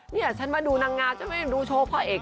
เนี่ยฉันมาดูนางงามฉันก็ยังดูโชว์พ่อเอก